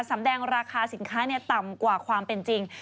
แสดงราคาสินค้าต่ำกว่าความเป็นจริง